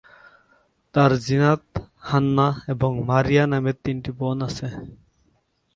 তার জিনাত, হান্নাহ এবং মারিয়া নামের তিনটি বোন রয়েছে।